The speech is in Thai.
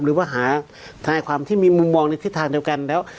หรือว่าหาทนายความที่มีมุมมองในทิศทางเดียวกันแล้ว